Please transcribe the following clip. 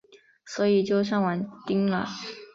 所以就上网订了